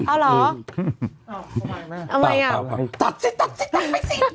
เอาเหรอเอาไงจัดซิจัดไปซิ